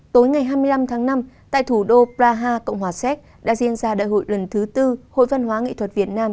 tối ngày hai mươi năm tháng năm tại thủ đô praha cộng hòa séc đã diễn ra đại hội lần thứ tư hội văn hóa nghệ thuật việt nam